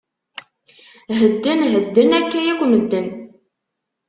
Hedden, hedden, akka yakk medden!